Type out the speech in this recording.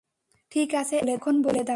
ঠিক আছে, এখন বলে দাও।